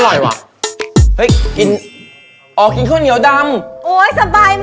ครับ